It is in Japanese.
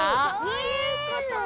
そういうことね。